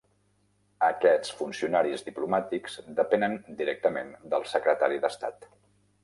Aquests funcionaris diplomàtics depenen directament del Secretari d'Estat.